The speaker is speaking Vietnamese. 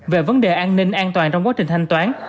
về vấn đề an ninh an toàn trong quá trình thanh toán